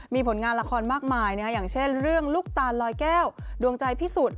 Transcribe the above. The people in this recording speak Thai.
มีผลงานละครมากมายอย่างเช่นเรื่องลูกตาลลอยแก้วดวงใจพิสุทธิ์